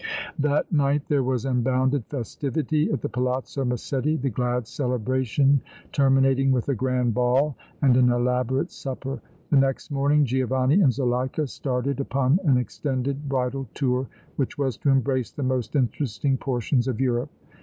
That night there was unbounded festivity at the Palazzo Massetti, the glad celebration terminating with a grand ball and an elaborate supper. The next morning Giovanni and Zuleika started upon an extended bridal tour which was to embrace the most interesting portions of Europe.